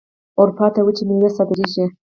اروپا ته وچې میوې صادریږي.